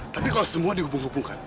tapi kalau semua dihubung hubungkan